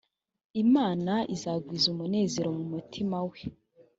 imana izagwiza umunezero mu mutima we